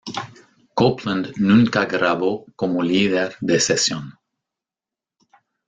Copeland nunca grabó como líder de sesión.